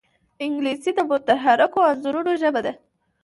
انګلیسي د متحرکو انځورونو ژبه ده